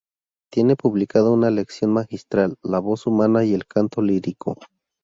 Tiene publicada una lección magistral "La voz humana y el canto lírico.